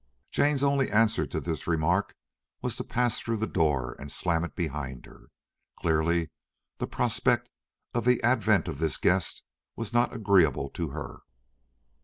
Jane's only answer to this remark was to pass through the door and slam it behind her. Clearly the prospect of the advent of this guest was not agreeable to her.